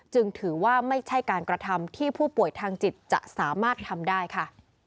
ถือว่าไม่ใช่การกระทำที่ผู้ป่วยทางจิตจะสามารถทำได้ค่ะ